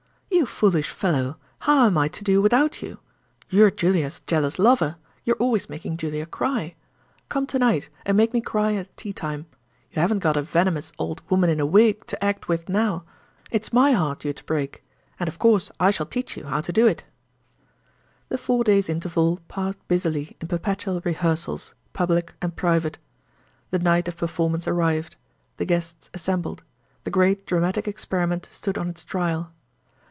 "You foolish fellow, how am I to do without you? You're Julia's jealous lover; you're always making Julia cry. Come to night, and make me cry at tea time. You haven't got a venomous old woman in a wig to act with now. It's my heart you're to break—and of course I shall teach you how to do it." The four days' interval passed busily in perpetual rehearsals, public and private. The night of performance arrived; the guests assembled; the great dramatic experiment stood on its trial.